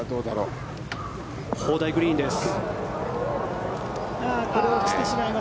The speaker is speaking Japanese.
砲台グリーンです。